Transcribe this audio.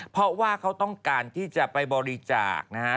เพราะว่าเขาต้องการที่จะไปบริจาคนะฮะ